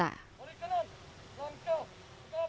dari kanan langkah tetap maju